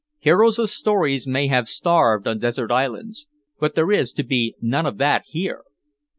Heroes of stories may have starved on desert islands but there is to be none of that here.